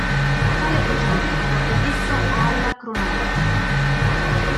Tale procedimento è detto "area cronologica".